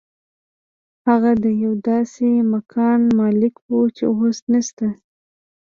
هغه د یو داسې مکان مالک و چې اوس نشته